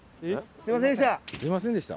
「すみませんでした」？